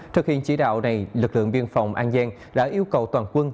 thực hiện chỉ đạo này lực lượng biên phòng an giang đã yêu cầu toàn quân